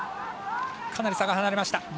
かなり差が離れました。